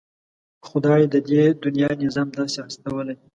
خدای د دې دنيا نظام داسې هستولی.